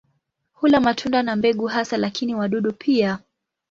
Hula matunda na mbegu hasa lakini wadudu pia.